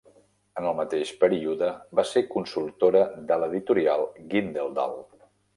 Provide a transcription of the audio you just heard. En el mateix període va ser consultora de l'editorial Gyldendal.